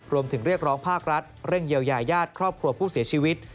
เรียกร้องภาครัฐเร่งเยียวยาญาติครอบครัวผู้เสียชีวิต